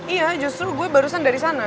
iya justru gue barusan dari sana